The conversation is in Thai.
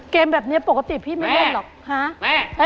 เกมแบบนี้ปกติพี่ไม่เล่นหรอกฮะ